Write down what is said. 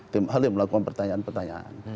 tim ahli melakukan pertanyaan pertanyaan